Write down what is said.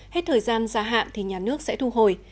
hết thời gian gia hạn thì nhà nước sẽ thu hồi